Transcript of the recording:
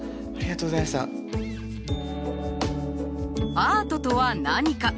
アートとは何か？